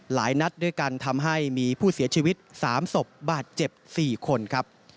หลายนัดด้วยกันทำให้มีผู้เสียชีวิต๓ศพบาดเจ็บ๔คนครับ